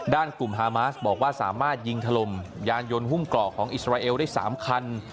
ด้านกลุ่มฮามาสบอกว่าสามารถยิงถล่มยานยนต์หุ้มกรอกของอิสราเอลได้๓คัน